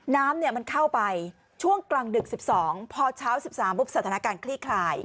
น้ำมันเข้าไปช่วงกลางดึก๑๒พอเช้า๑๓ปุ๊บสถานการณ์คลี่คลาย